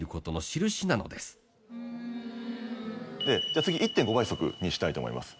じゃあ次１．５倍速にしたいと思います。